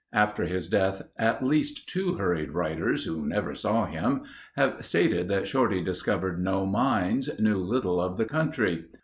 After his death at least two hurried writers who never saw him have stated that Shorty discovered no mines, knew little of the country.